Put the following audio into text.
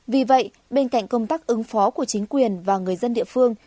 vì vậy bên cạnh công tác ứng phó của chính quyền và người dân địa phương